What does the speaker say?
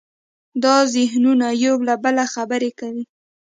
دا ذهنونه یو له بله خبرې کوي.